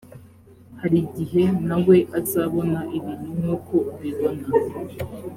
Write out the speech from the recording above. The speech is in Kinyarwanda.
hari igihe na we azabona ibintu nk uko ubibona